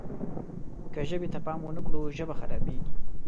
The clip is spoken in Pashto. که ژبې ته پام ونه کړو ژبه خرابېږي.